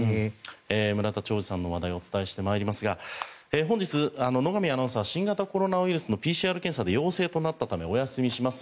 村田兆治さんの話題をお伝えしてまいりますが本日、野上アナウンサーは新型コロナウイルスのＰＣＲ検査で陽性となったためお休みします。